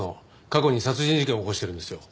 過去に殺人事件を起こしてるんですよ。